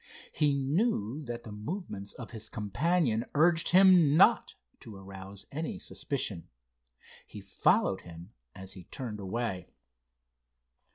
He knew that the movements of his companion urged him not to arouse any suspicion. He followed him as he turned away.